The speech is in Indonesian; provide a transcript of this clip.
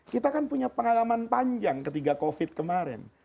kita kan punya pengalaman panjang ketika covid kemarin